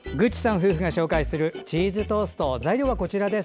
夫婦が紹介するチーズトーストの材料はこちらです。